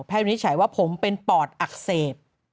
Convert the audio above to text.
วินิจฉัยว่าผมเป็นปอดอักเสบ